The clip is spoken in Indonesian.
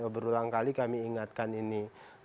berulang kali kami ingatkan ini